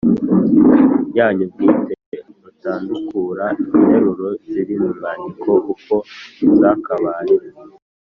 yanyu bwite mutandukura interuro ziri mu mwandiko uko zakabaye